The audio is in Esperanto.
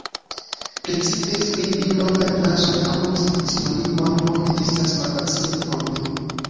Precipe skribi longan frazon aŭ uzi sinonimojn bone estas malfacile por mi.